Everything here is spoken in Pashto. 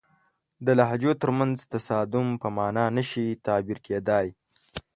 د لهجو ترمنځ تصادم په معنا نه شي تعبیر کېدای.